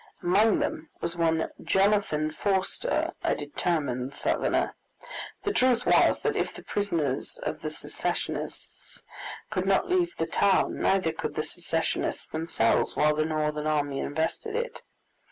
Among them was one Jonathan Forster, a determined Southerner. The truth was, that if the prisoners of the Secessionists could not leave the town, neither could the Secessionists themselves while the Northern army invested it.